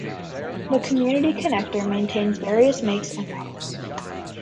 The Community Connector maintains various makes and models.